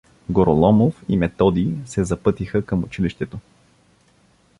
Гороломов и Методи се запътиха към училището.